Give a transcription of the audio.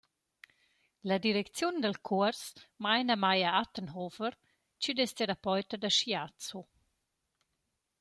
La direcziun dal cuors maina Maya Attenhofer chi’d es terapeuta da shiatsu.